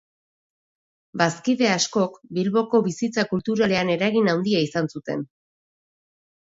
Bazkide askok Bilboko bizitza kulturalean eragin handia izan zuten.